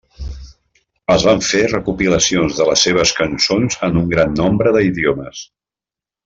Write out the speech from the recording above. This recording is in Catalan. Es van fer recopilacions de les seves cançons en un gran nombre d'idiomes.